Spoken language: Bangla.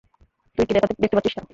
তুই কি দেখতে পাচ্ছিস না?